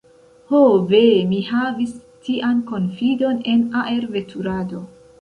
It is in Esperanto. Ho ve! mi havis tian konfidon en aerveturado.